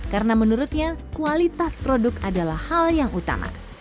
karena menurutnya kualitas produk adalah hal yang utama